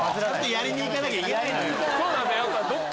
やりに行かなきゃいけないのよ。